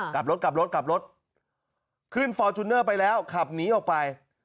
กลับรถขึ้นฟอร์ชุนเนอร์ไปแล้วขับหนีออกไป